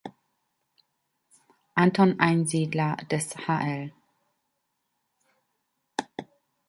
Anton Einsiedler, des hl.